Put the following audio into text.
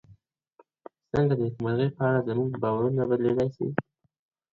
څنګه د نېکمرغۍ په اړه زموږ باورونه بدلېدلای سي؟